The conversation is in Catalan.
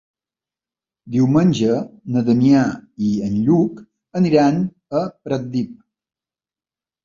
Diumenge na Damià i en Lluc aniran a Pratdip.